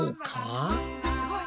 すごい。